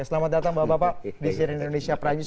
selamat datang bapak bapak di siren indonesia prime news